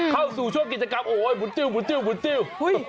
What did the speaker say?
เข้าสู่ช่วงกิจกรรมโอ้โฮหมุนติ้ว